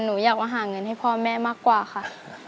หนูอยากมาหาเงินให้พ่อแม่มากกว่าค่ะ